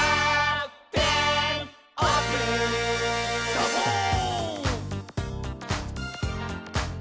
「サボーン！」